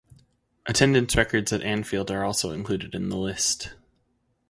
Attendance records at Anfield are also included in the list.